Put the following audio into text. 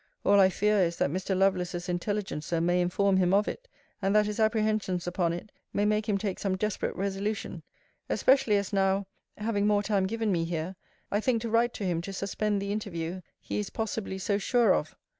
All I fear is, that Mr. Lovelace's intelligencer may inform him of it; and that his apprehensions upon it may make him take some desperate resolution: especially as now (having more time given me here) I think to write to him to suspend the interview he is possibly so sure of.